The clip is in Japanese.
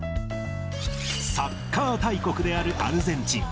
サッカー大国であるアルゼンチン。